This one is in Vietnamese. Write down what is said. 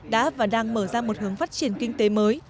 đã và đang mở ra một hướng phát triển kinh tế mới